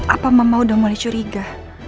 apa mama udah mulai curiga